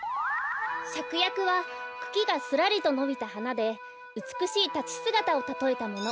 シャクヤクはくきがすらりとのびたはなでうつくしいたちすがたをたとえたもの。